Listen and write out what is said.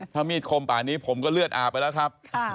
ถ้ามีดคมป่านี้ผมก็เลือดอาบไปแล้วครับ